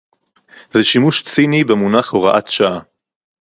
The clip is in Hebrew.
זה שימוש ציני במונח הוראת שעה